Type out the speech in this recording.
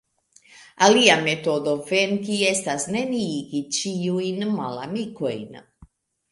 Alia metodo venki estas neniigi ĉiujn malamikojn.